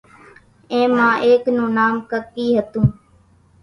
اين مان ايڪ نون نام ڪڪِي ھتون